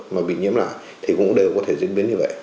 mà bị nhiễm lại thì cũng đều có thể diễn biến như vậy